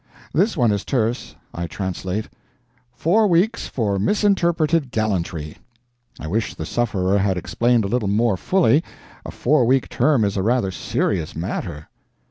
This one is terse. I translate: "Four weeks for MISINTERPRETED GALLANTRY." I wish the sufferer had explained a little more fully. A four week term is a rather serious matter.